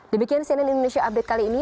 demikian cnn indonesia update kali ini